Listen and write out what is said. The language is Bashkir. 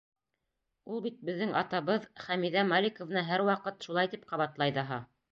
Ул бит беҙҙең атабыҙ, Хәмиҙә Маликовна һәр ваҡыт шулай тип ҡабатлай ҙаһа.